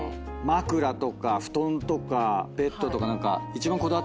枕とか布団とかベッドとか何か。